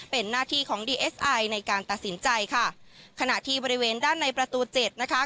เป็นหน้าที่ของดีเอสไอในการตัดสินใจค่ะขณะที่บริเวณด้านในประตูเจ็ดนะคะ